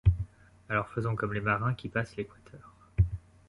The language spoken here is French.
Alors faisons comme les marins qui passent l’Équateur.